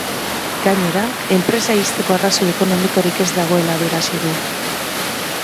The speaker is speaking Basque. Gainera, enpresa ixteko arrazoi ekonomikorik ez dagoela adierazi du.